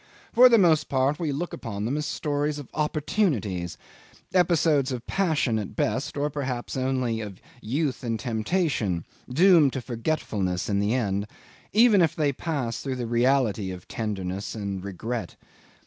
For the most part we look upon them as stories of opportunities: episodes of passion at best, or perhaps only of youth and temptation, doomed to forgetfulness in the end, even if they pass through the reality of tenderness and regret.